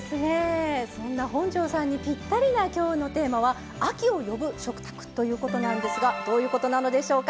そんな本上さんにぴったりな今日のテーマは「秋を呼ぶ食卓」ということなんですがどういうことなのでしょうか